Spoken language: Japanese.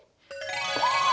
お！